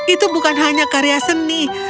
itu bukan hanya karya seni